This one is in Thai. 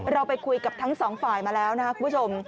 เราไปคุยกับทั้งสองฝ่ายมาแล้วนะครับคุณผู้ชม